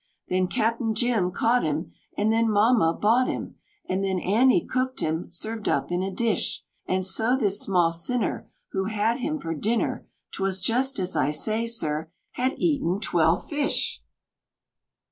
Then Cap'en Jim caught him, And then mamma bought him, And then Annie cooked him, served up in a dish; And so this small sinner Who had him for dinner 'Twas just as I say, sir had eaten twelve fish!